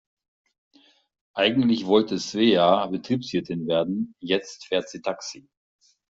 Eigentlich wollte Svea Betriebswirtin werden, jetzt fährt sie Taxi.